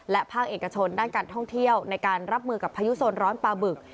และภาคเอกชนด้านการท่องเที่ยวในการรับมือกับพายุโซนร้อนปลาบึก